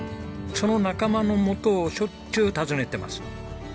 その仲間の元をしょっちゅう訪ねてます。